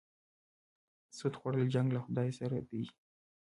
سود خوړل جنګ له خدای سره دی.